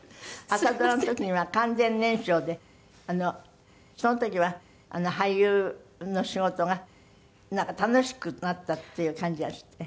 朝ドラの時には完全燃焼でその時は俳優の仕事がなんか楽しくなったっていう感じがして。